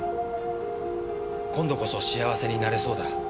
「今度こそ幸せになれそうだ」。